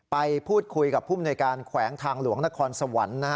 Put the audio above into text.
ไปพูดคุยกับผู้มนวยการแขวงทางหลวงนครสวรรค์